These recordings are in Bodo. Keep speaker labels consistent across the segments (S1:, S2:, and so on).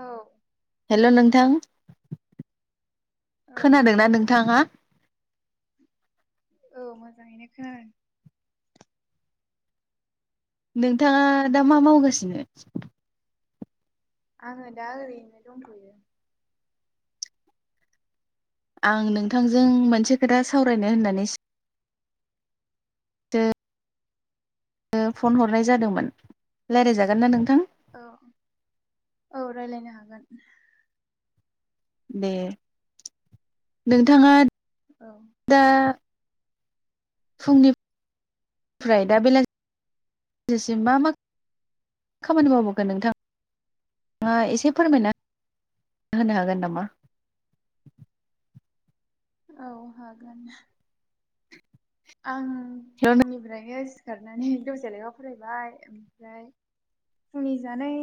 S1: औ
S2: हेलौ नोंथां
S1: औ
S2: खोनादोंना
S1: नोंथां
S2: नोंथाङा
S1: औ मोजाङैनो उम
S2: नोंथाङा दा मा मावगासिनो?
S1: आङो दा ओरैनो दंथ'यो।
S2: आं नोंथांजों मोनसे खोथा सावरायनो होननानै सो फन हरनाय जादोंमोन रायज्लायजागोन ना नों
S1: औ औ रायलायनो हागोन
S2: दे नोंथाङा।
S1: औ
S2: दा फुंनिफ्राय दा बेलासिम मा मा खामानि मावबोगोन नोंथाङा एसे फोरमायना होनो हागोन नामा?
S1: औ हागोन? आं फुंनिफ्रायनो जि सिखारनानै दसे लेखा फरायबाय ओमफ्राय फुंनि जानाय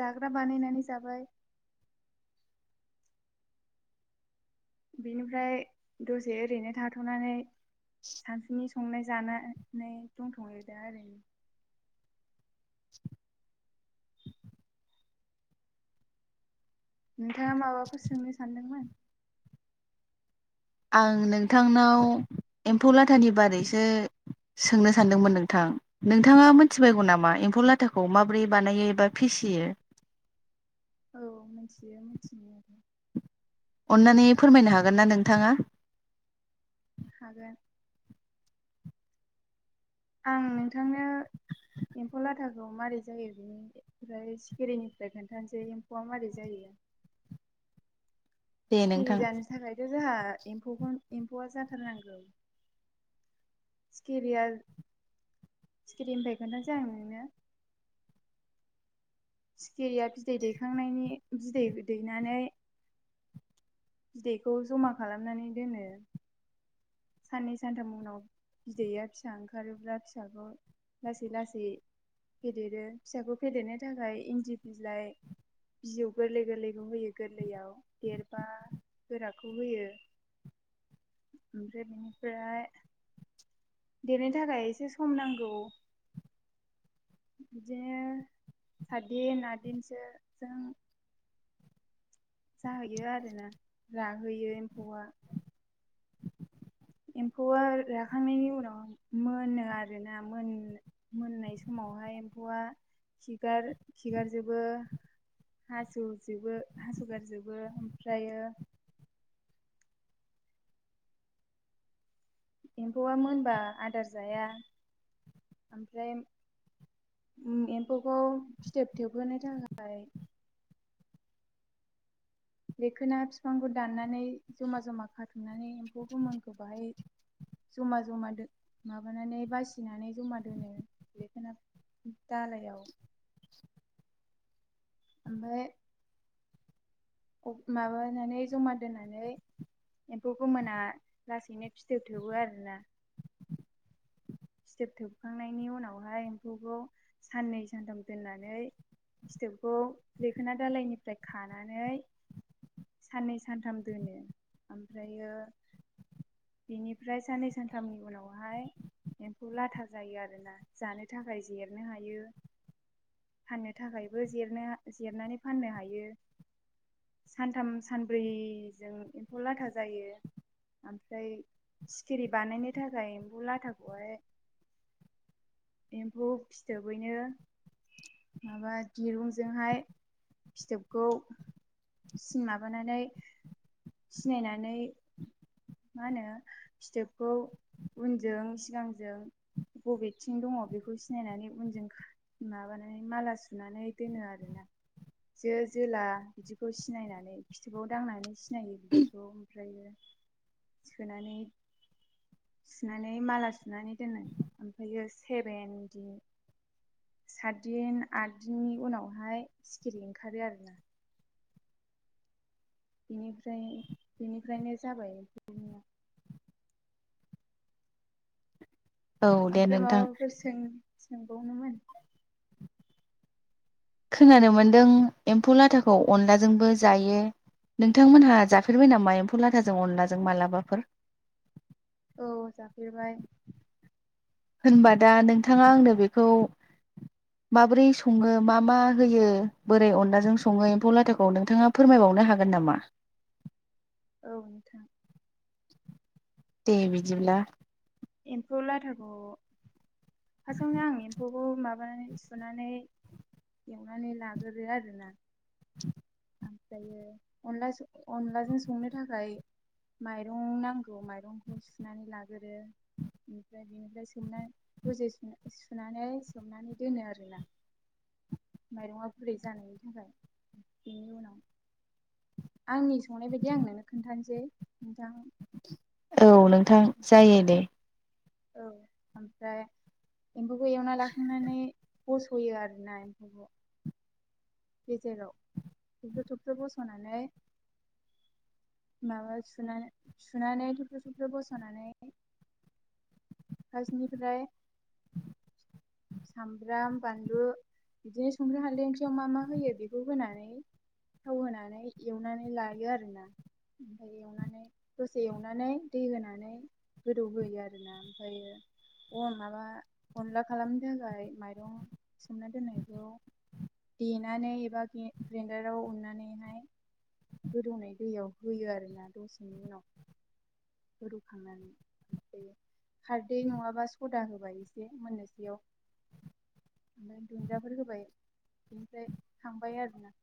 S1: जाग्रा बानायनानै जाबाय। बेनिफ्राय दसे ओरैनो थाथ'नानै सानसुनि संनाय जानानै दंथ'यो दा ओरैनो। नोंथाङा माबाफोर सोंनो सानदोंमोन।
S2: आं नोंथांनाव एम्फौ लाथानि बारैसो सोंनो सानदोंमोन नोंथां। नोंथाङा
S1: औ
S2: मिथिबायगौ नामा एम्फौ लाथाखौ? माब्रै बानायो एबा फिसियो?
S1: औ मिथियो मिथिनाया।
S2: अन्नानै फोरमायनो हागोन ना नोंथाङा?
S1: हागोन। आं नोंथांनो एम्फौ लाथाखौ मारै जायो बिनि ओमफ्राय सिखिरिनिफ्राय खोन्थानोसै एम्फौआ मारै जायो।
S2: दे
S1: सिखिरि
S2: नोंथां
S1: जानो थाखायथ' जोंहा एम्फौखोन एम्फौआ जाथारनांगो सिखिरिया सिखिरिनिफाय खोन्थासै आं नोंनो। सिखिरिया बिदै दैखांनायनि बिदै दैनानै। बिदैखौ जमा खालामनानै दोनो। साननै सानथाम उनाव बिदैया फिसा ओंखारोब्ला फिसाखौ लासै लासै फेदेरो फिसाखौ फेदेरनो थाखाय इन्दि बिलाइ बिजौ गोरलै गोरलैखौ होयो गोरलैयाव देरबा गोराखौ होयो। ओमफ्राय बेनिफ्राय देरनो थाखाय एसे सम नांगौ बिदिनो सातदिन आठदिनसो [unintelligible] जाहैयो आरोना राहैयो एम्फौआ एम्फौआ राखांनायनि उनाव मोनो आरोना मोन- मोननाय समावहाय एम्फौआ खिगार- खिगारजोबो हासुजोबो -हासुगारजोबो ओमफ्रायो। एम्फौआ मोनबा आदार जाया ओमफ्राय उम एम्फौखौ फिथोबथोबहोनो थाखाय लेखोना बिफांखौ दाननानै जमा जमा खाथुमनानै एम्फौ गोमोनखौ बाहाय जमा जमा माबानानै बासिनानै जमा दोनो लेखोना दालायाव। ओमफाय माबानानै जमा दोननानै एम्फौ गोमोना लासैनो फिथोब थोबो आरोना। फिथोब थोबखांनायनि उनावहाय एम्फौखौ साननै सानथाम दोननानै फिथोबखौ जेखोना दालायनिफ्राय खानानै साननै सानथाम दोनो ओमफ्रायो बेनिफ्राय साननै सानथामनि उनावहाय एम्फौ लाथा जायो आरोना जानो थाखाय जिरनो हायो फाननो थाखायबो जिरन-जिरनानै फाननो हायो सानथाम सानब्रैजों एम्फौ लाथा जायो ओमफ्राय सिखिरि बानायनो थाखाय एम्फौ लाथा। हाय एम्फौ फिथोबैनो माबा दिरुंजोंहाय फिथोबखौ सि माबानानै सिनायनानै मा होनो फिथोबखौ उनजों सिगांजों बबेथिं दङ बेखौ सिनायनानै उनजों माबानानै माला सुनानै दोनो आरोना जो जोला बिदिखौ सिनायनानै फिथोबाव दांनानै सिनायो बिदिखौ ओमफ्र सोनानै सुनानै माला सु सुनानै दोनो ओमफ्रायो सेभेनदिन सातदिन आद दिननि उनावहाय सिखिरि ओंखारो आरोना बेनिफ्राय बेनिफ्रायनो जाबाय [unintelligible]
S2: औ दे
S1: ओमफ्राय
S2: नोंथां
S1: माबाफोर सों सोंबावनोमोन?
S2: खोनानो मोन्दों एम्फौ लाथाखौ अनलाजोंबो जायो नोंथांमोनहा जाफेरबाय नामा एम्फौ लाथाजों अनलाजों मालाबाफोर?
S1: औ जाफेरबाय
S2: होनबा दा नोंथाङा आंनो बेखौ माबोरै सङो मा मा होयो बोरै अनलाजों सङो एम्फौ लाथाखौ नोंथाङा फोरमायबावनो हागोन नामा?
S1: औ नोंथां
S2: दे बिदिब्ला
S1: एम्फौ लाथाखौ फारस्टआवनो आं एम्फौखौ माबानानै सुनानै एवनानै लाग्रो आरोना
S2: [unintelligible]
S1: ओमफ्रायो अनला अनलाजों संनो थाखाय माइरं नांगौ माइरंखौ सुनानै लागोरो। ओमफ्राय बेनिफ्राय सोमना दजे सुनानै सोमनानै दोनो आरोना माइरङा बुरै जानायनि थाखाय बेनि उनाव आंनि संनाय बायदि आं नोंनो खोन्थानोसै नोंथां।
S2: औ नोंथां जायो दे
S1: औ ओमफ्राय एम्फौखौ एवना लाखांनानै बसयो आरोना एम्फौखौ गेजेराव थफ्र' थफ्र बस'नानै माबा सुनानै-सुनानै थफ्र थफ्र बस'नानै फार्स्टनिफ्राय सामब्राम बानलु बिदिनो संख्रि हादै ओंख्रियाव मा मा होयो बेखौ होनानै थाव होनानै एवनानै लायो आरोना ओमफ्राय एवनानै दसे एवनानै दै होनानै गोदौहोयो आरोना ओमफ्रायो अ माबा अनला खालामनो थाखाय माइरं सोमना दोननायखौ दे नानै एबा गे ग्रेन्दाराव उननानैहाय गोदौनाय दैयाव होयो आरोना दसेनि उनाव रुखांनानै ओमफ्राय खारदै नङाबा सदा होबाय एसे मोननोसयाव ओमफ्राय दुन्दियाफोर होबाय बेनिफ्राय खांबाय आरोना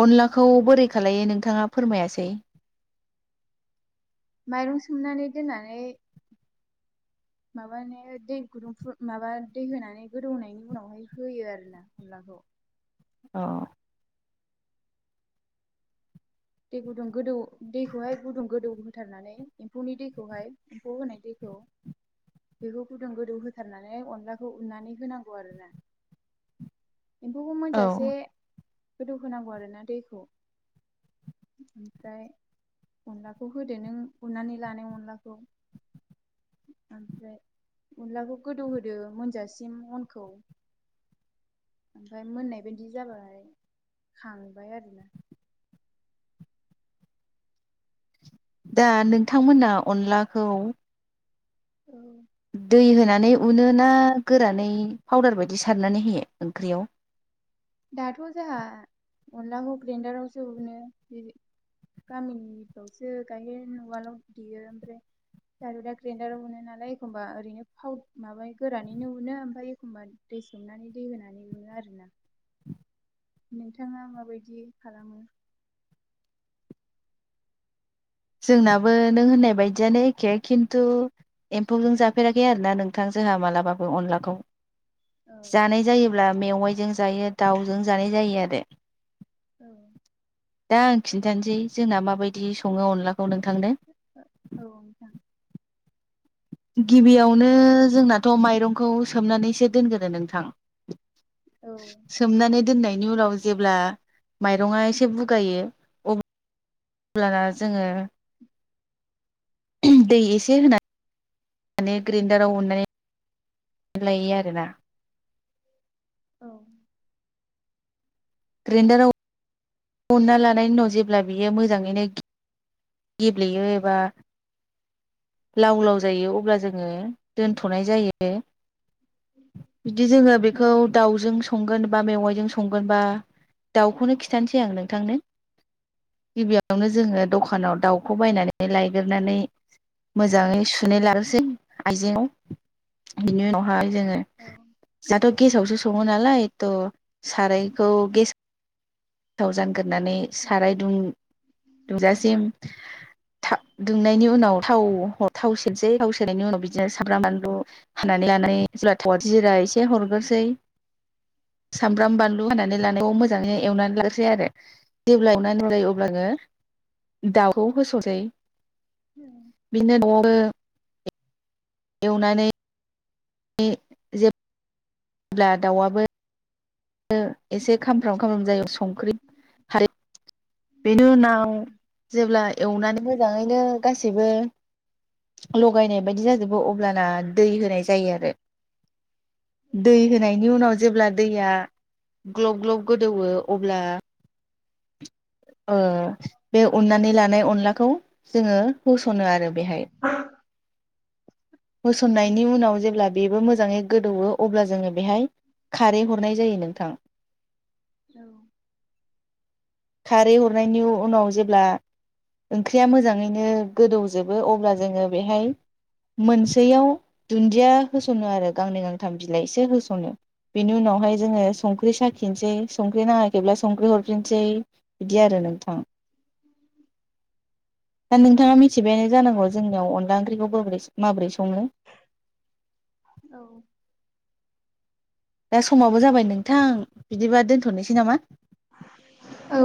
S2: अनलाखौ
S1: ओमफ्राय
S2: बोरै खालायो नों नोंथाङा फोरमायासै
S1: माइरं सोमनानै दोननानै माबानो दै गुदुंफ माबा दै होनानै गोदौनायनि उनावहाय होयो आरोना अनलाखौ
S2: औ
S1: दै गुदुं गोदौ दैखौहाय गुदुं गोदौ होथारनानै एम्फौनि दैखौहाय एम्फौ होनाय दैखौ बेखौ गुदुं गोदौ होथारनानै अनलाखौ उनानै होनांगौ आरोना एम्फौखौ
S2: औ
S1: मोनजासे गोदौ होनांगौ आरो ना दैखौ ओमफ्राय अनलाखौ होदो नों उरनानै लानाय अनलाखौ ओमफ्राय अनलाखौ गोदौहोदो मोनजासिम अनखौ ओमफ्राय मोननाय बायदि जाबाय खांबाय आरोना
S2: दा नोंथांमोना अनलाखौ
S1: औ
S2: दै होनानै उनो ना गोरानै पावदार बायदि सारनानै होयो ओंख्रियाव
S1: दाथ' जाहा अनलाखौ ग्रेन्डारावसो उनो गामिनिफ्रावसो गायहेन वालाव देयो ओमफ्राय आरो दा ग्रेडाराव उनो नालाय एखमबा ओरैनो फाव माबा गोरानैनो उनो ओमफ्राय एखमबा दै सोमनानै दै होनानै उनो आरोना नोंथाङा माबायदि खालामो
S2: जोंनाबो नों होननाय बायदियानो एखे खिन्थु एम्फौजों जाफेराखै आरोना नोंथां जोंहा मालाबाबो अनलाखौ
S1: औ
S2: जानाय जायोब्ला मेवाइजों जायो दाउजों जानाय जायो आरो
S1: औ
S2: दा आं खिन्थानोसै जोंना माबायदि सङो अनलाखौ औ नोंथांनो
S1: औ नोंथां
S2: गिबियावनो जोंनाथ' माइरंखौ सोमनानैसो दोनगोरो नोंथां
S1: औ
S2: सोमनानानै दोननायनि उनाव जेब्ला माइरङा एसे बुगायो अब्ला अब्लाना जोङो दै एसे होनानै माने ग्रेन्दाराव अननानै लायो आरोना
S1: औ
S2: ग्रेन्दाराव उनना लानायनि उनाव जेब्ला बियो मोजाङैनो गेब्लेयो एबा लाव लाव जायो अब्ला जोङो दोनथ'नाय जायो बिदि जोङो बेखौ
S1: औ
S2: दाउजों संगोन बा मेवायजों संगोनबा दाउखौनो खिथासै आं नोंथांनो गिबियावनो जोङो दखानाव दाउखौ बायनानै लायगोरनानै मोजाङै सुनाय लानोसै आइजेंआव बेनि उनावहाय जोङो
S1: औ
S2: दाथ' गेसावसो सङो नालाय थ' सारायखौ गेस थाव जान गोरनानै साराय दुं
S1: औ
S2: दुंजासिम था दुंनायनि उनाव थाव थाव सेरसै थाव सेरनायनि उनाव बिदिनो सामब्राम बानलु होनानै लानानै [unintelligible] जिरा एसे हरग्रोसै सामब्राम बानलु हानानै लानाय मोजाङैनो एवना लाग्रोसै आरो जेब्ला [unintelligible] अब्लानो दाउखौ होस'ननोसै बिदिनो न'आवनो एवनानै [unintelligible] जे ब्ला दाउआबो एसे खामफ्राम खामफ्राम जायो संख्रि [unintelligible] बेनि उनाव जेब्ला एवनानै मोजाङैनो गासैबो लगायनाय बायदि जाजोबो अब्लाना दै होनाय जायो आरो दै होनायनि उनाव जेब्ला दैया ग्लब ग्लब गोदौवो अब्ला ओ बे उननानै लानाय अनलाखौ जोङो सनो आरो बेहाय होसननायनि उनाव जेब्ला बेबो मो मोजाङै गोदौओ अब्ला जोङो बेहाय खारै हरनाय जायो नोंथां
S1: औ
S2: खारै हरनायनि उनाव जेब्ला ओंख्रिया मोजाङैनो गोदौजोबो अब्ला जोङो बेहाय मोनसेयाव दुन्दिया होसनो आरो गांनै गांथाम बिलाइसो होसनो बिनि उनावहाय जोङो संख्रि साखिनोसै संख्रि नाङाखैब्ला संख्रि हरफिनसै बिदि आरो नोंथां दा
S1: औ
S2: नोंथाङा मिथिबायानो जानांगौ जोंनियाव अन ला ओंख्रिखौ बोरै माब्रै संङो
S1: औ
S2: दा समाबो जाबाय नोंथां बिदिबा दोनथनोसै नामा
S1: औ